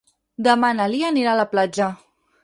Demà na Lia anirà a la platja.